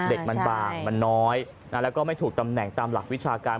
เด็กมันบางมันน้อยแล้วก็ไม่ถูกตำแหน่งตามหลักวิชาการ